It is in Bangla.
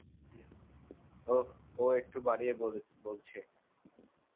ওহ, ও একটু বাড়িয়ে বলছে!